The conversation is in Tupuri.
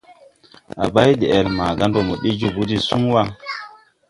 A bay de-ɛl maaga ndɔ mo ɗee jobo de suŋ wà.